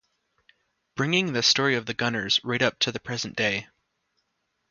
Bringing the story of the Gunners right up to the present day.